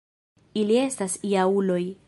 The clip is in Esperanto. Ili estas ja-uloj